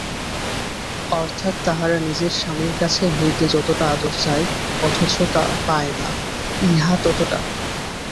অর্থাৎ, তাহারা নিজের স্বামীর কাছ হইতে যতটা আদর চায় অথচ পায় না, ইহা ততটা।